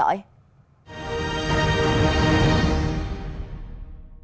ngoại giao việt nam